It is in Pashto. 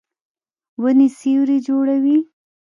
ونې سیوری جوړوي